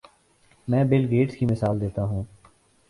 میں Bill Gates کی مثال دیتا ہوں۔